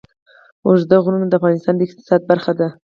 اوږده غرونه د افغانستان د اقتصاد برخه ده.